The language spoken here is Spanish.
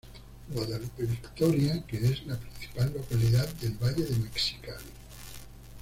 Guadalupe Victoria que es la principal localidad del Valle de Mexicali.